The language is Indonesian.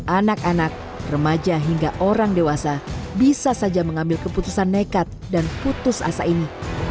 anak anak remaja hingga orang dewasa bisa saja mengambil keputusan nekat dan putus asa ini